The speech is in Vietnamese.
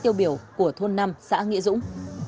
tiêu biểu của thôn năm xã nghịa dũng